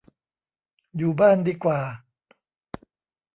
อยู่บ้านดีกว่า